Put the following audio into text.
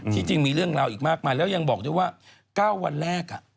จริงมีเรื่องราวอีกมากมายแล้วยังบอกด้วยว่า๙วันแรก